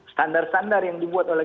standar standar yang dibuat oleh